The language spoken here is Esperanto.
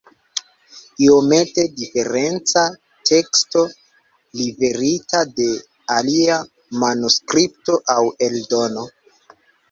Iomete diferenca teksto, liverita de alia manuskripto aŭ eldono.